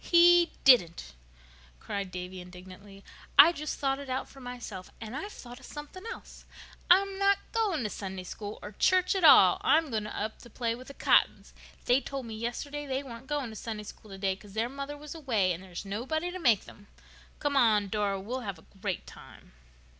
"He didn't," cried Davy indignantly. "I just thought it out for myself. And I've thought of something else. I'm not going to Sunday School or church at all. I'm going up to play with the Cottons. They told me yesterday they weren't going to Sunday School today, 'cause their mother was away and there was nobody to make them. Come along, Dora, we'll have a great time."